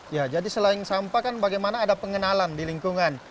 ya jadi selain sampah kan bagaimana ada pengenalan di lingkungan